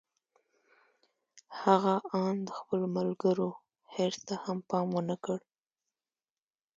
هغه آن د خپلو ملګرو حرص ته هم پام و نه کړ.